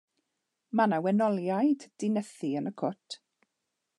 Mae 'na wenoliaid 'di nythu yn y cwt.